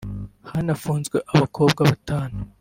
hanafunzwe abakobwa batanu